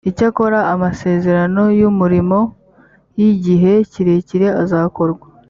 icyakora amasezerano y umurimo y igihe kirekire azakorwa